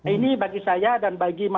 ini bagi saya dan bagi masyarakat